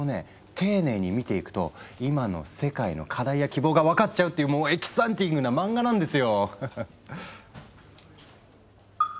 丁寧に見ていくと今の世界の課題や希望が分かっちゃうっていうもうエキサイティングな漫画なんですよ！